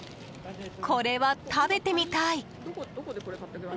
これは食べてみたい！